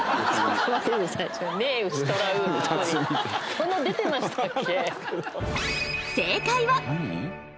そんな出てましたっけ？